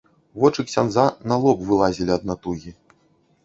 Вочы ксяндза на лоб вылазілі ад натугі.